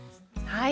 はい。